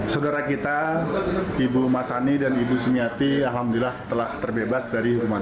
saudara kita ibu masani dan ibu sumiati alhamdulillah telah terbebas dari rumah